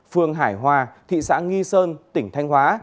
phường hải hòa thị xã nghi sơn tỉnh thanh hóa